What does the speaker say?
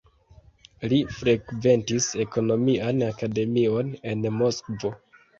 Li frekventis ekonomian akademion en Moskvo.